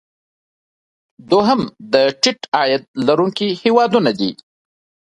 دوهم د ټیټ عاید لرونکي هیوادونه دي.